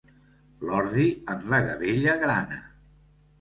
L'ordi en la gavella grana.